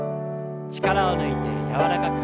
力を抜いて柔らかく。